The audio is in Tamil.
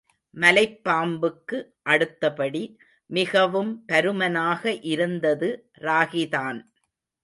மலைப்பாம்புக்கு அடுத்தபடி மிகவும் பருமனாக இருந்தது ராகிதான்.